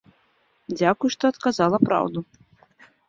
Дзякуй, што адказала праўду.